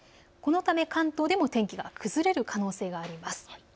このため関東でも天気が崩れる可能性があります。